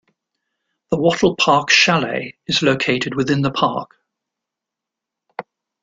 The Wattle Park Chalet is located within the park.